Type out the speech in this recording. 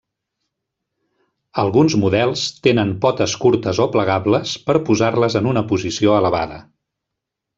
Alguns models tenen potes curtes o plegables per posar-les en una posició elevada.